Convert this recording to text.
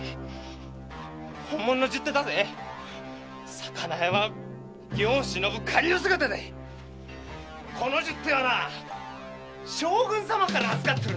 魚屋は世をしのぶ仮の姿だいこの十手はな将軍様から預かってるんだ。